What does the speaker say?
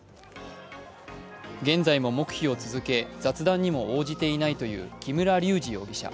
現在も黙秘を続け雑談にも応じていないという木村隆二容疑者。